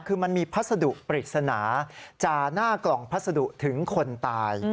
คือมันมีพัสดุปริศนาจาหน้ากล่องพัสดุถึงคนตาย